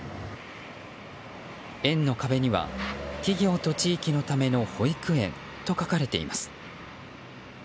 園の壁には企業と地域のための保育園と書かれています。